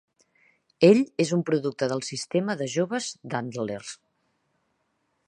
Ell és un producte del sistema de joves d'Antlers.